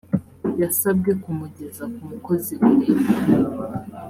yasabwe kumugeza ku mukozi wa leta